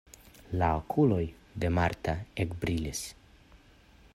La okuloj de Marta ekbrilis.